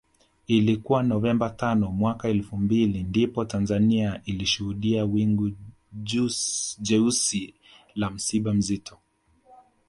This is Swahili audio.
Ilikuwa Novemba tano mwaka elfu mbili ndipo Tanzania ilishuhudia wingu jeusi la msiba mzito